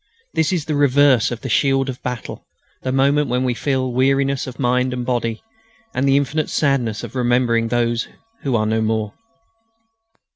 This is the reverse of the shield of battle, the moment when we feel weariness of mind and body and the infinite sadness of remembering those who are no more....